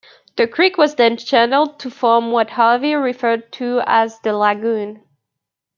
The Creek was then channeled to form what Harvey referred to as "the lagoon".